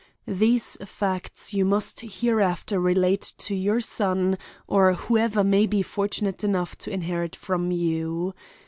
These facts you must hereafter relate to your son or whoever may be fortunate enough to inherit from you.